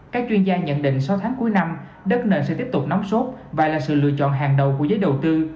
các chuyên gia nhận định sau tháng cuối năm đất nền sẽ tiếp tục nóng sốt và là sự lựa chọn hàng đầu của giới đầu tư